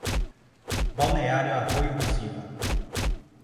Balneário Arroio do Silva